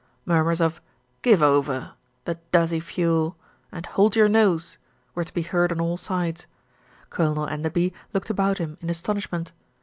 Murmurs of "Give over," "The duzzy fule," and "Hold your nose" were to be heard on all sides. Colonel Enderby looked about him in astonishment.